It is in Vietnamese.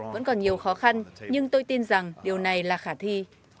vẫn còn nhiều khó khăn nhưng tôi tin rằng điều này là khả thi